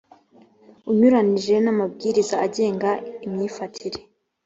unyuranije n’amabwiriza agenga imyifatire.